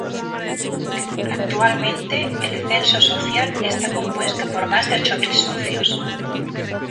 Actualmente el censo social está compuesto por más de ocho mil socios.